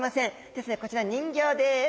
ですのでこちら人形です。